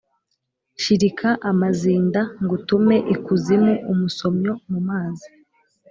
Shirika amazinda ngutume ikuzimu-Umusomyo mu mazi.